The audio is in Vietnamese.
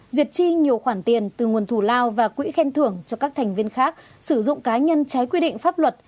duyệt chi nhiều khoản tiền từ nguồn thù lao và quỹ khen thưởng cho các thành viên khác sử dụng cá nhân trái quy định pháp luật